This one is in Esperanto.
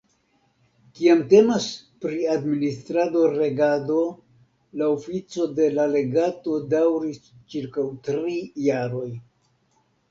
Kiam temas pri administrado-regado, la ofico de la legato daŭris ĉirkaŭ tri jaroj.